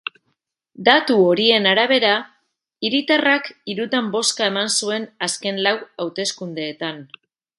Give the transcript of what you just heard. Datu horien arabera, hiritarrak hirutan bozka eman zuen azken lau hauteskundeetan.